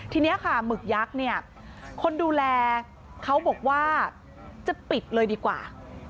ทีนี้ค่ะหมึกยักษ์เนี่ยคนดูแลเขาบอกว่าจะปิดเลยดีกว่า